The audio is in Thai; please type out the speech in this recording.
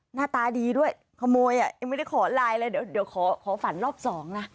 หน้าตาดีด้วยขโมยอ่ะยังไม่ได้ขอไลน์เลยเดี๋ยวขอฝันรอบสองนะ